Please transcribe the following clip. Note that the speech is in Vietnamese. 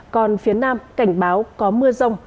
còn phía nam cảnh báo có mưa rông